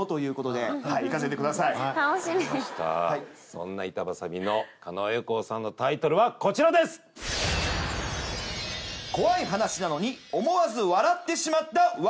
そんな板挟みの狩野英孝さんのタイトルはこちらです「怖い話なのに思わず笑ってしまった１ミニッツ」